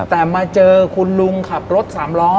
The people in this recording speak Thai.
แต่มาเจอคุณลุงขับรถสามล้อ